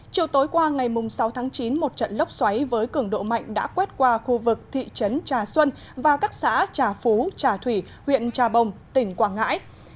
chiều tối qua ngày sáu tháng chín một trận lốc xoáy với cường độ mạnh đã quét qua khu vực thị trấn trà xuân và các xã trà phú trà thủy huyện trà bồng tỉnh quảng ngãi